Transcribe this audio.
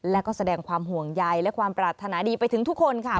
และก็แสดงความห่วงใยและความปรารถนาดีไปถึงทุกคนค่ะ